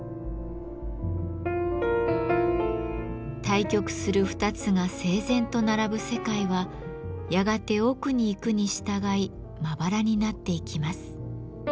対極する２つが整然と並ぶ世界はやがて奥に行くに従いまばらになっていきます。